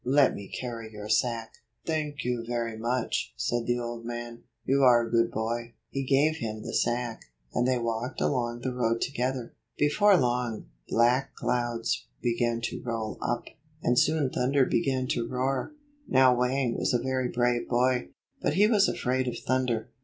Let me carry your sack." "Thank you very much," said the old man. "You are a good boy." He gave him the sack, and they walked along the road together. Be fore long, black clouds began to roll up, and soon thunder began to roar. Now Wang was a very brave boy, but he was afraid of thunder.